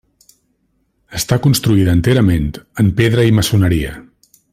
Està construïda enterament en pedra i maçoneria.